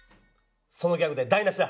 そのギャグで台なしだ。